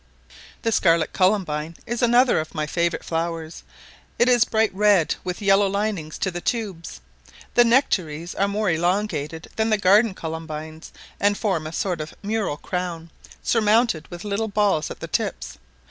The scarlet columbine is another of my favourite flowers; it is bright red, with yellow linings to the tubes. The nectaries are more elongated than the garden columbines, and form a sort of mural crown, surmounted with little balls at the tips.